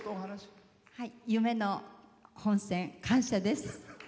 夢の本選、感謝です。